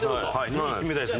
２位決めたいです